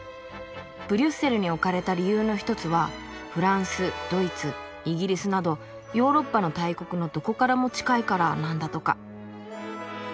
ブリュッセルに置かれた理由の一つはフランスドイツイギリスなどヨーロッパの大国のどこからも近いからなんだとか。